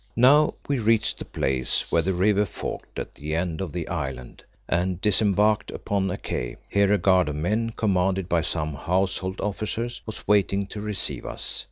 Now we reached the place where the river forked at the end of the island, and disembarked upon a quay. Here a guard of men commanded by some Household officer, was waiting to receive us.